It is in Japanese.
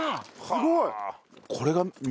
すごい！